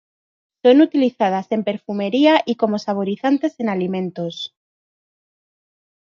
Son utilizadas en perfumería y como saborizantes en alimentos.